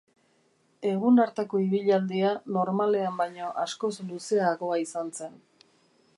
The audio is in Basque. Egun hartako ibilaldia normalean baino askoz luzeagoa izan zen.